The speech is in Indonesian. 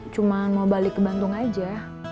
cuma mau balik ke bandung aja